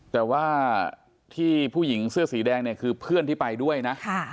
แต่ว่าที่ผู้หญิงเสื้อสีแดงเนี่ยคือเพื่อนที่ไปด้วยนะ